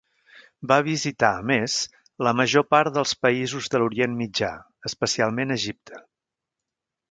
Va visitar, a més, la major part dels països de l'Orient Mitjà, especialment Egipte.